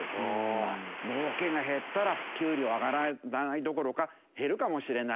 儲けが減ったら給料上がらないどころか減るかもしれない。